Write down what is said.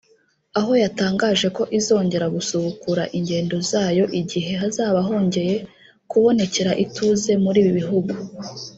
aho yatangaje ko izongera gusubukura ingendo zayo igihe hazaba hongeye kubonekera ituze muri ibi bihugu